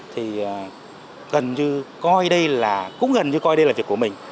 thì gần như coi đây là cũng gần như coi đây là việc của mình